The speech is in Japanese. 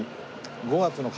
５月の風。